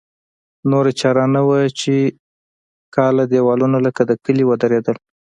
نوره چاره نه وه چې کاله دېوالونه لکه د کلي ودرېدل.